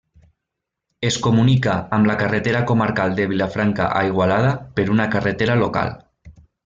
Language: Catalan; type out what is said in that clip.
Es comunica amb la carretera comarcal de Vilafranca a Igualada per una carretera local.